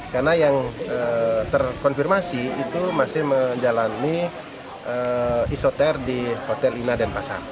karena yang terkonfirmasi itu masih menjalani isoter di hotel ina denpasar